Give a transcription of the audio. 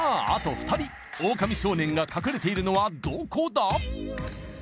２人オオカミ少年が隠れているのはどこだ？